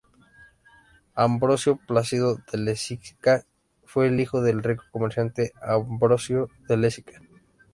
Ambrosio Plácido de Lezica fue el hijo del rico comerciante Ambrosio de Lezica.